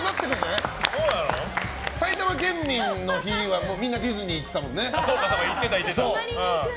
埼玉県民の日はみんなディズニー行ってたもんね。